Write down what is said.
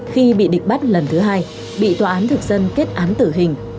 khi bị địch bắt lần thứ hai bị tòa án thực dân kết án tử hình